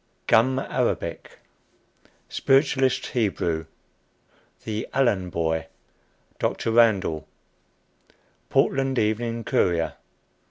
"GUM" ARABIC. SPIRITUALIST HEBREW. THE ALLEN BOY. DR. RANDALL. PORTLAND EVENING COURIER.